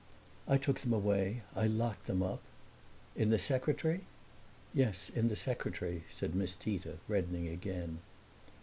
"I took them away. I locked them up." "In the secretary?" "Yes, in the secretary," said Miss Tita, reddening again.